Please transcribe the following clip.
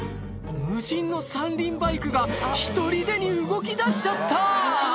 無人の三輪バイクがひとりでに動きだしちゃった！